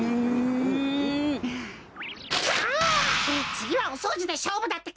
つぎはおそうじでしょうぶだってか。